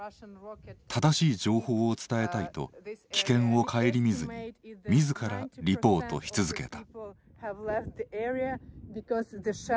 正しい情報を伝えたいと危険を顧みずにみずからリポートし続けた。